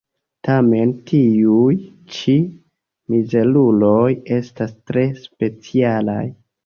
Tamen tiuj ĉi mizeruloj estas tre specialaj.